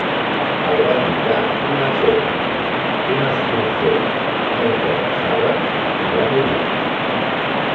El va picar una serp, un escurçó, mentre caçava i va morir.